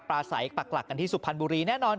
บางทีมันเป็นเรื่องในใจท่านเหมือนกันนะ